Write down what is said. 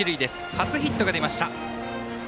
初ヒットが出ました。